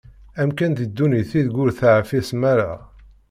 Amkan di ddunit ideg ur teεfisem-ara.